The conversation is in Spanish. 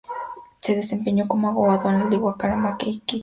Se desempeñó como abogado en La Ligua, Calama e Iquique.